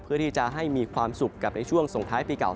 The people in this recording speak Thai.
เพื่อที่จะให้มีความสุขกับในช่วงส่งท้ายปีเก่า